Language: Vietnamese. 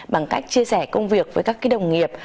bằng cách chia sẻ công việc với các đồng nghiệp